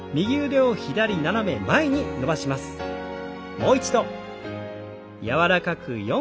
もう一度。